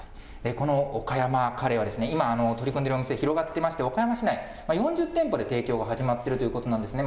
この岡山カレーは、今、取り組んでいるお店、広がってまして、岡山市内４０店舗で提供が始まっているということなんですね。